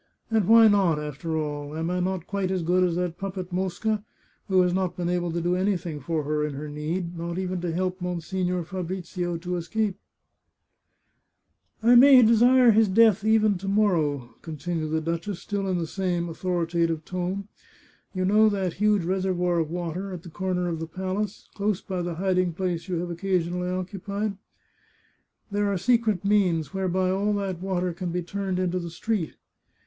And why not, after all? Am I not quite as good as that puppet Mosca, who has not been able to do anything for her in her need — not even to help Monsignore Fabrizio to escape ?"" I may desire his death even to morrow," continued the duchess, still in the same authoritative tone. " You know that huge reservoir of water, at the corner of the palace, close by the hiding place you have occasionally occupied ? There are secret means whereby all that water can be turned into the street.